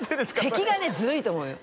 敵がねずるいと思うのよ